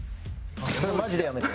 それマジでやめて。